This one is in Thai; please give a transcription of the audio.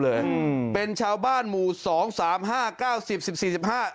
อืมเป็นชาวบ้านหมู่สองสามห้าเก้าสิบสิบสี่สิบห้า